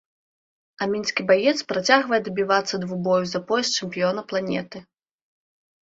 А мінскі баец працягвае дабівацца двубою за пояс чэмпіёна планеты.